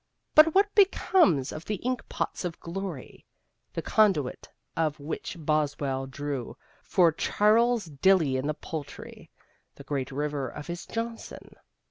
But what becomes of the ink pots of glory? The conduit from which Boswell drew, for Charles Dilly in The Poultry, the great river of his Johnson?